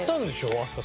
飛鳥さん。